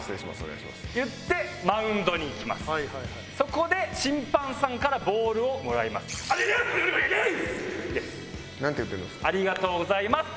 そこで審判さんからボールをもらいます。です。